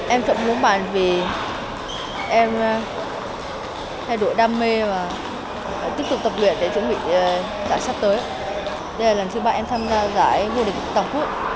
em chọn bóng bàn vì em thay đổi đam mê và tiếp tục tập luyện để chuẩn bị giải sắp tới đây là lần thứ ba em tham gia giải vô địch tổng quốc